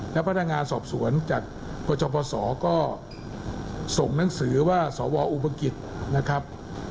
และพัฒนางานสอบสวนจากประชบประสอบก็ส่งหนังสือว่าสวอุปกฏนะครับ